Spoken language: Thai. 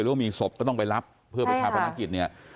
หรือว่ามีศพก็ต้องไปรับเพื่อประชาพนักกิจ